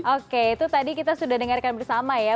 oke itu tadi kita sudah dengarkan bersama ya